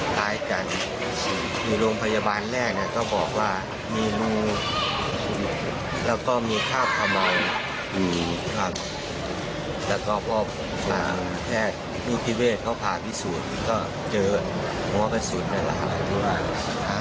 แค่รูพิเวศเขาพาพิสูจน์ก็เจอหัวประสุนได้หลายหลายทุกว่า